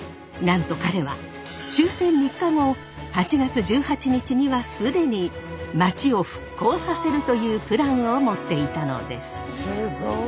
なんと彼は終戦３日後８月１８日には既にまちを復興させるというプランを持っていたのです。